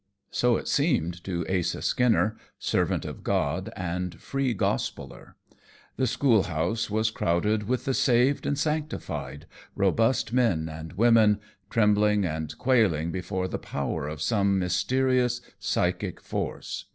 So it seemed to Asa Skinner, servant of God and Free Gospeller. The schoolhouse was crowded with the saved and sanctified, robust men and women, trembling and quailing before the power of some mysterious psychic force.